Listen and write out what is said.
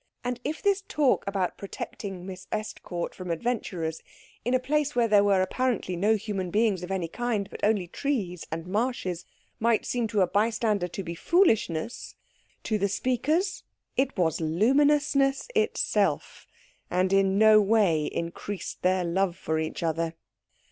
And if this talk about protecting Miss Estcourt from adventurers in a place where there were apparently no human beings of any kind, but only trees and marshes, might seem to a bystander to be foolishness, to the speakers it was luminousness itself, and in no way increased their love for each other.